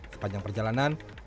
sepanjang perjalanan kami diberikan